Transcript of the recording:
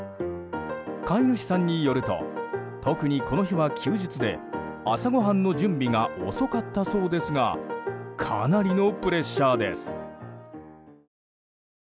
飼い主さんによると特にこの日は休日で朝ごはんの準備が遅かったそうですがかなりのプレッシャーです。